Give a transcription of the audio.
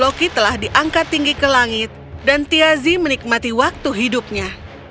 loki telah diangkat tinggi ke langit dan tiazi menikmati waktu hidupnya